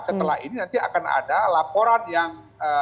setelah ini nanti akan ada laporan yang